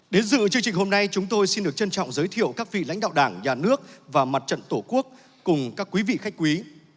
đến dự chương trình hôm nay chúng tôi xin được trân trọng giới thiệu các vị lãnh đạo đảng nhà nước và mặt trận tổ quốc cùng các quý vị khách quý